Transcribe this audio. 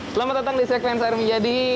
selamat datang di sekvensa hermi jadi